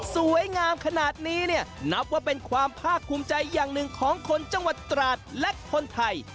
สวยงามขนาดนี้เนี่ยนับว่าเป็นความภาคภูมิใจอย่างหนึ่งของคนจังหวัดตราดและคนไทย